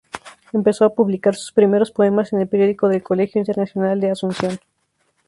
Empezó a publicar sus primeros poemas en el periódico del Colegio Internacional de Asunción.